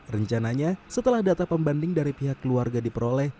rencananya setelah data pembanding dari pihak keluarga diperoleh